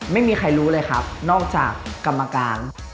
ไม่มีใครรู้เลยครับนอกจากกรรมการ